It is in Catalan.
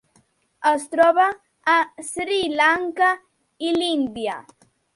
Es troba a Sri Lanka i l'Índia.